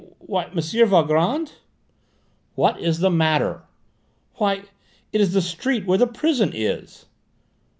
Ma ... Me ... Why, M. Valgrand " "What's the matter?" "Why, it is the street where the prison is!"